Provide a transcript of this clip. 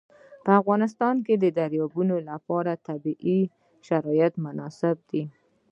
په افغانستان کې د دریابونه لپاره طبیعي شرایط مناسب دي.